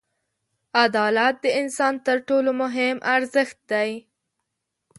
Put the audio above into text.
• عدالت د انسان تر ټولو مهم ارزښت دی.